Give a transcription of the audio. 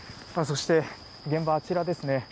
そして、現場はあちらですね。